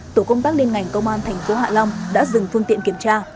tổ công tác liên ngành công an tp hạ long đã dừng phương tiện kiểm tra